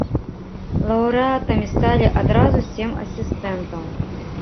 Лаўрэатамі сталі адразу сем асістэнтаў.